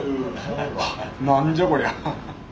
なんじゃこりゃ。